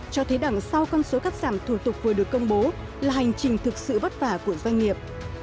cho thấy đằng sau con số cắt giảm thủ tục vừa được công bố là hành trình thực sự vất vả của doanh nghiệp